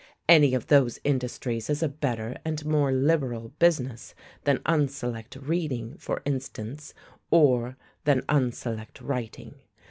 Any of those industries is a better and more liberal business than unselect reading, for instance, or than unselect writing.